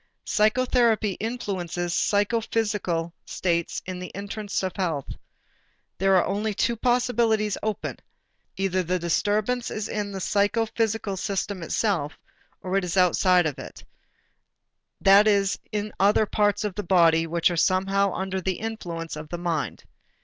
Psychotherapy influences psychophysical states in the interest of health. There are only two possibilities open: either the disturbance is in the psychophysical system itself or it is outside of it, that is in the other parts of the body which are somehow under the influence of the mind.